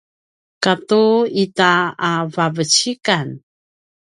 katu ita a vavecikan